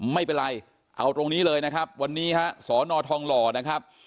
ไม่เป็นไรเอาตรงนี้เลยนะครับวันนี้ฮะสอนอทองหล่อนะครับ